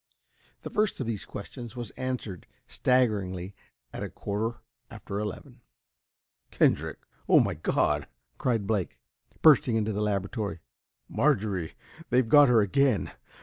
The first of these questions was answered, staggeringly, at a quarter after eleven. "Kendrick oh, my God!" cried Blake, bursting into the laboratory. "Marjorie they've got her again!